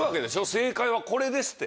正解はこれですって。